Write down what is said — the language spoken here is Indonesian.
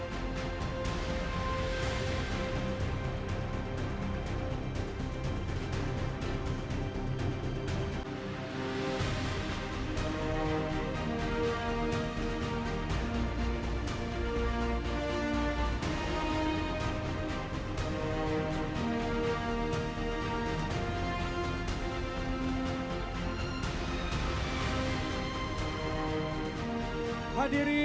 malam malam aku sendiri